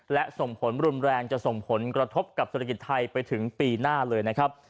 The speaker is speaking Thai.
และส่งผลรุนแรงจะส่งผลกระทบกับเศรษฐกิจไทยไปถึงปีหน้าเลยนะครับ